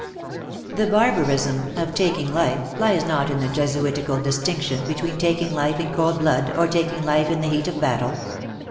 The barbarism of ''taking life" lies not in the Jesuitical distinction between taking life in cold blood or taking life in the heat of battle.